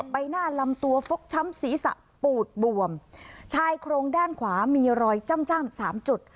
ใบหน้าลำตัวฟกช้ำศีรษะปูดบวมชายโครงด้านขวามีรอยจ้ำจ้ำสามจุด